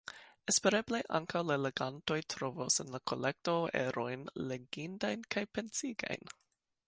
Espereble ankaŭ la legantoj trovos en la kolekto erojn legindajn kaj pensigajn.¨